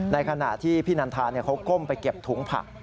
ในขณะที่พี่นันทาเขาก้มไปเก็บถุงผัก